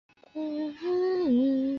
这倒是真